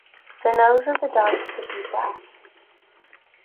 The nose of the dog should be black.